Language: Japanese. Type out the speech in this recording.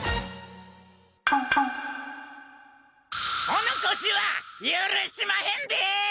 お残しは許しまへんで！